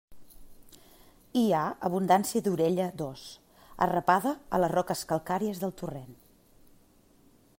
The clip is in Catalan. Hi ha abundància d'orella d'ós, arrapada a les roques calcàries del torrent.